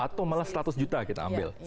atau malah seratus juta kita ambil